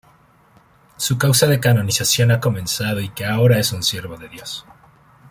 Su causa de canonización ha comenzado y que ahora es un Siervo de Dios.